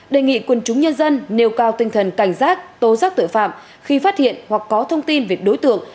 đề nghị quân chúng nhân dân nêu cao tinh thần cảnh giác tố giác tội phạm khi phát hiện hoặc có thông tin về đối tượng